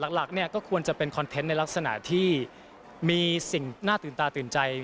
หลักเนี่ยก็ควรจะเป็นคอนเทนต์ในลักษณะที่มีสิ่งน่าตื่นตาตื่นใจ